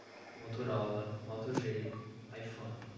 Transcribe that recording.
Motorola, MotoG, Iphone